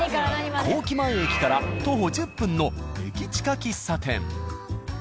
工機前駅から徒歩１０分の駅近喫茶店。